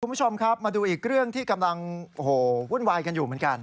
คุณผู้ชมครับมาดูอีกเรื่องที่กำลังโอ้โหวุ่นวายกันอยู่เหมือนกัน